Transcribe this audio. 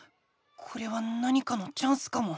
これは何かのチャンスかも。